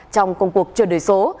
trong công cuộc chuyển đổi số